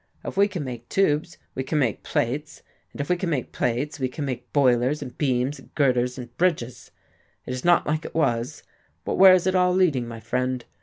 If we can make tubes we can make plates, and if we can make plates we can make boilers, and beams and girders and bridges.... It is not like it was but where is it all leading, my friend?